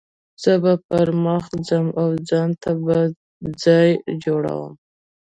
زه به پر مخ ځم او ځان ته به ځای جوړوم.